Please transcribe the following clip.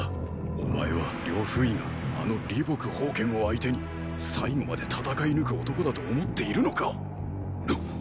お前は呂不韋があの李牧・煖を相手に最後まで戦い抜く男だと思っているのか？！